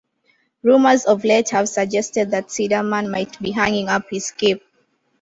Rumours of late have suggested that Ciderman might be hanging up his cape.